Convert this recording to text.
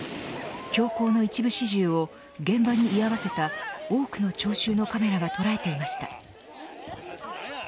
凶行の一部始終を現場に居合わせた多くの聴衆のカメラが捉えていました。